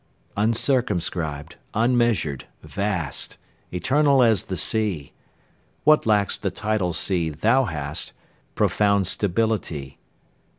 UNCIRCUMSCRIBED, unmeasured, vast, Eternal as the Sea; What lacks the tidal sea thou hast Profound stability.